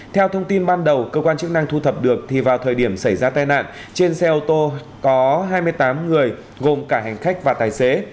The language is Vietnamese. theo thông tin ban đầu cơ quan chức năng thu thập được thì vào thời điểm xảy ra tai nạn trên xe ô tô có hai mươi tám người gồm cả hành khách và tài xế